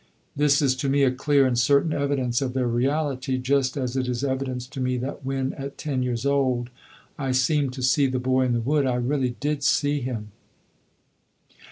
This is to me a clear and certain evidence of their reality just as it is evidence to me that when, at ten years old, I seemed to see the boy in the wood, I really did see him.